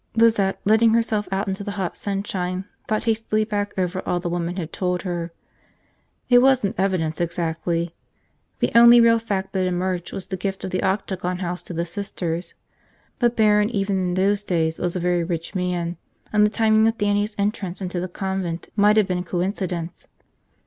Lizette, letting herself out into the hot sunshine, thought hastily back over all the woman had told her. It wasn't evidence, exactly. The only real fact that emerged was the gift of the Octagon House to the Sisters, but Barron even in those days was a very rich man and the timing with Dannie's entrance into the convent might have been coincidence.